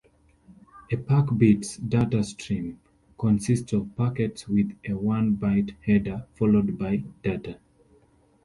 A PackBits data stream consists of packets with a one-byte header followed by data.